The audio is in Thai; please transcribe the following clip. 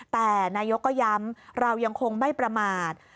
แต่นายกก็ย้ำเรายังคงไม่ประมาท